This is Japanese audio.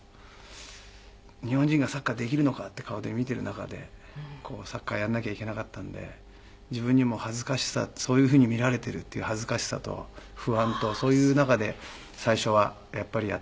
日本人がサッカーできるのかっていう顔で見ている中でサッカーやらなきゃいけなかったんで自分にも恥ずかしさそういうふうに見られているっていう恥ずかしさと不安とそういう中で最初はやっぱりやっていましたね。